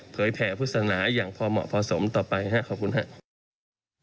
แผ่พุทธศนาอย่างพอเหมาะพอสมต่อไปครับขอบคุณครับ